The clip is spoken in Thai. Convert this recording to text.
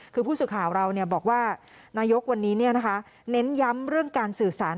คือผู้สื่อข่าวเราบอกว่านายกวันนี้เน้นย้ำเรื่องการสื่อสาร